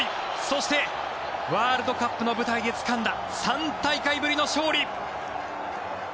そして、ワールドカップの舞台でつかんだ３大会ぶりの勝利。